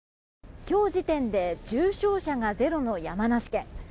今日時点で重症者がゼロの山梨県。